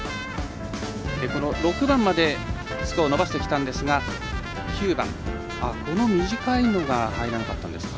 ６番までスコアを伸ばしてきたんですが９番、この短いのが入らなかったんですね。